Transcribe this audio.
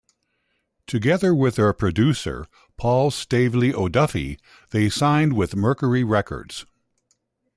Together with their producer, Paul Staveley O'Duffy, they signed with Mercury Records.